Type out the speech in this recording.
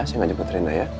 saya mau jemput rena ya